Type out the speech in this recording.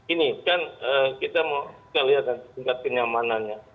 ini kan kita lihat tingkat kenyamanannya